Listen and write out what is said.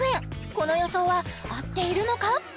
この予想は合っているのか？